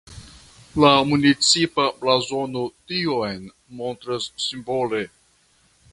La municipa blazono tion montras simbole.